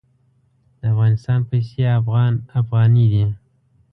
د افغانستان پیسې افغان افغاني دي.